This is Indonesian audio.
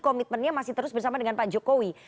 komitmennya masih terus bersama dengan pak jokowi